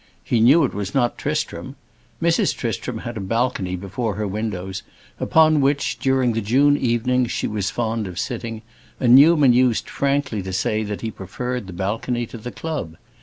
He knew it was not Tristram. Mrs. Tristram had a balcony before her windows, upon which, during the June evenings, she was fond of sitting, and Newman used frankly to say that he preferred the balcony to the club.